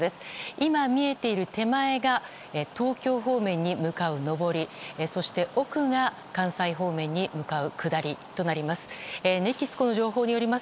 今見えている手前が東京方面に向かう上りそして、奥が関西方面に向かう下りとなります。